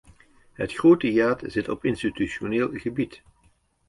Het grote hiaat zit op institutioneel gebied.